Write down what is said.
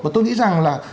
và tôi nghĩ rằng là